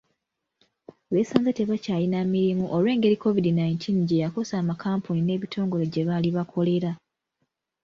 Beesanze tebakyalina mirimu olwe ngeri COVID nineteen gye yakosa amakampuni ne bitongole gye baali bakolera.